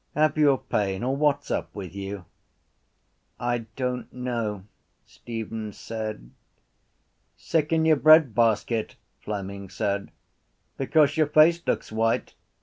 Have you a pain or what’s up with you? —I don’t know, Stephen said. —Sick in your breadbasket, Fleming said, because your face looks white.